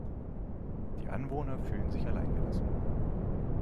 Die Anwohner fühlen sich allein gelassen.